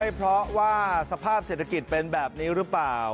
เพราะว่าสภาพเศรษฐกิจเป็นแบบนี้หรือเปล่า